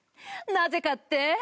なぜかって？